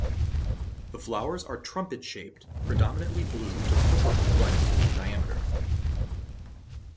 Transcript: The flowers are trumpet-shaped, predominantly blue to purple or white, diameter.